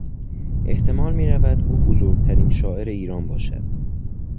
احتمال میرود که او بزرگترین شاعر ایران باشد.